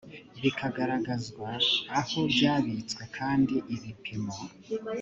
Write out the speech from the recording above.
bikagaragazwa aho byabitswe kandi ibipimo